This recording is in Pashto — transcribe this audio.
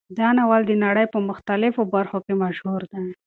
دا ناول د نړۍ په مختلفو برخو کې مشهور دی.